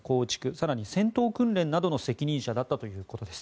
更に戦闘訓練などの責任者だったということです。